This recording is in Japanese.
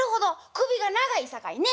首が長いさかいね。